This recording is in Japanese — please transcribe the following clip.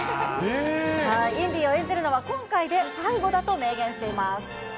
インディを演じるのは今回で最後だと明言しています。